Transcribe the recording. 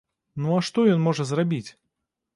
Ну, а што ён можа зрабіць?